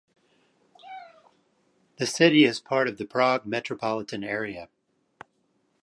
The city is part of the Prague metropolitan area.